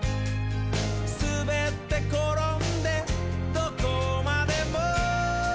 「すべってころんでどこまでも」